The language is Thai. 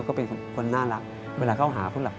ก็เลยไม่มีเลยครับ